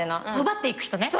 奪っていく人ね。